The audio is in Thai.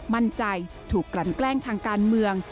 มั่นใจถูกกลั่นแกล้งทางการเมือง